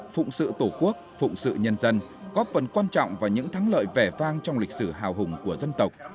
phụng sự tổ quốc phụng sự nhân dân góp phần quan trọng và những thắng lợi vẻ vang trong lịch sử hào hùng của dân tộc